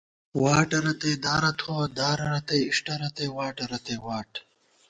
واٹہ رتئ دارہ تھووَہ، دارہ رتئ اِݭٹہ ، رتئ واٹہ رتئ واٹ